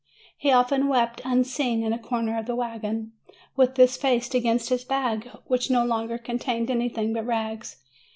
He often wept, unseen, in a corner of the wagon, with his face against his bag, which no longer contained anything but rags.